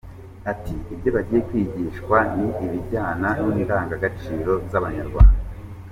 Ati "Ibyo bagiye kwigishwa ni ibijyana n’indangagaciro z’Abanyarwanda.